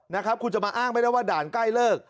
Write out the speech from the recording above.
นะครับคุณจะมาอ้างไม่ได้ว่าด่านใกล้เลิก